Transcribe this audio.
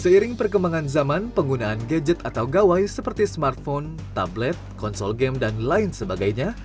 seiring perkembangan zaman penggunaan gadget atau gawai seperti smartphone tablet konsol game dan lain sebagainya